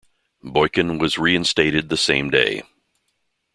Boykin was reinstated the same day.